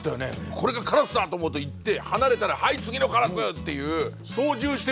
これがカラスだと思うと行って離れたらはい次のカラスっていう。